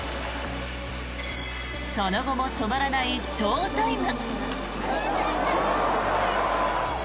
その後も止まらないショータイム。